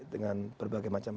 dengan berbagai macam